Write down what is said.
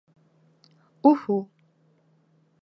У-һу...